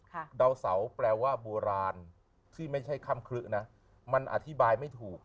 ดาวเสาแปลว่าโบราณที่ไม่ใช่ค่ำครึนะมันอธิบายไม่ถูก